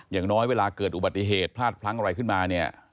อย่างน้อยเวลาเกิดอุบัติเหตุพลาดพลั้งอะไรขึ้นมาเนี่ย